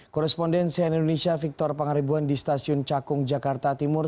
korespondensian indonesia victor pangaribuan di stasiun cakung jakarta timur